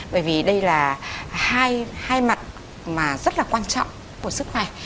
bởi vì đây là hai mặt mà rất là quan trọng của sức khỏe